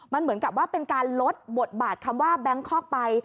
มันเหมือนกับว่าเป็นการลดบทบาทคำว่าแบงคอกไป